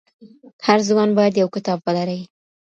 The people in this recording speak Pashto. هر ځوان بايد يو کتاب ولري.